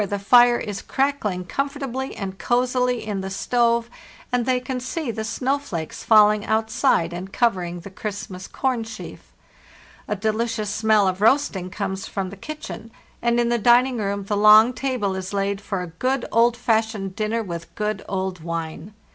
DECEMBER 31, 1895 (By Lars Jorde, from a photograph) LAND AT LAST 453 fire is crackling comfortably and cozily in the stove, and they can see the snowflakes falling outside and covering the Christmas corn sheaf. A delicious smell of roasting comes from the kitchen, and in the dining room the long table is laid for a good, old fashioned dinner with good old wine.